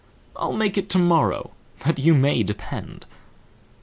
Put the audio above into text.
"I'll make it tomorrow, that you may depend!"